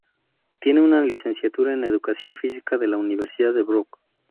Tiene una Licenciatura en Educación Física de la Universidad de Brock.